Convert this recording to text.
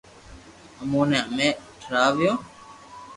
امو ني ھمي ٿراويو